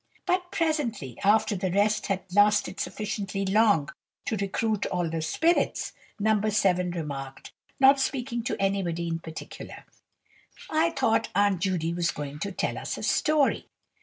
But presently, after the rest had lasted sufficiently long to recruit all the spirits, No. 7 remarked, not speaking to anybody in particular, "I thought Aunt Judy was going to tell us a story."